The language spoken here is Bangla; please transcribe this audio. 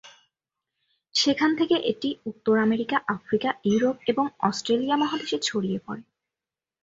সেখান থেকে এটি উত্তর আমেরিকা, আফ্রিকা, ইউরোপ এবং অস্ট্রেলিয়া মহাদেশে ছড়িয়ে পড়ে।